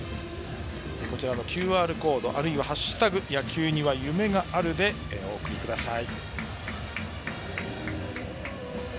こちらのＱＲコード、あるいは「＃野球には夢がある」にお送りください。